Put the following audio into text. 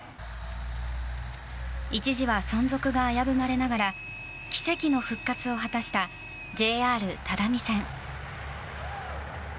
一時は存続が危ぶまれながら奇跡の復活を果たしたＪＲ只見線。